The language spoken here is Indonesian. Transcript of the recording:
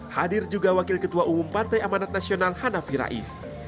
hadir juga wakil ketua umum partai amanat nasional hanafi rais